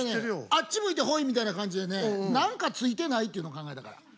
あっち向いてホイみたいな感じでね何かついてない？っていうの考えたから。